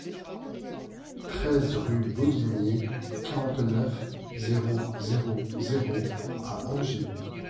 treize rue Bodinier, quarante-neuf, zéro zéro zéro à Angers